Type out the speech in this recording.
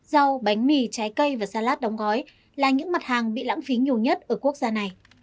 rau bánh mì trái cây và salad đóng gói là những mặt hàng bị lãng phí nhiều nhất ở quốc gia này